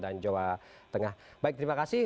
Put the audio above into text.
dan jawa tengah baik terima kasih